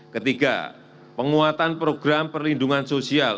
ketiga penguatan program perlindungan sosial